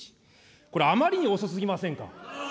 これ、あまりに遅すぎませんか。